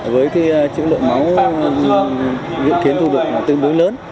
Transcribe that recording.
với cái chữ lượng máu được kiến thu được tương đối lớn